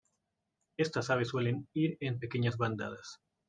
Estas aves suelen ir en pequeñas bandadas.